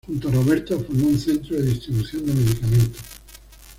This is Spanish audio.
Junto a Roberto formó un centro de distribución de medicamentos.